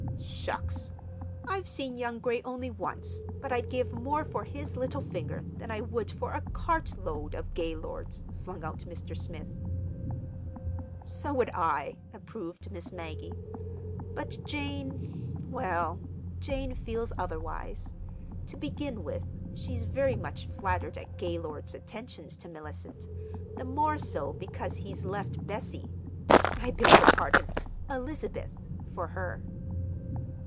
"Shucks! I've seen young Gray only once, but I'd give more for his little finger than I would for a cartload of Gaylords!" flung out Mr. Smith. "So would I," approved Miss Maggie. "But Jane—well, Jane feels otherwise. To begin with, she's very much flattered at Gaylord's attentions to Mellicent—the more so because he's left Bessie—I beg her pardon, 'Elizabeth'—for her."